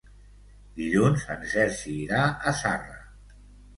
Dilluns en Sergi irà a Zarra.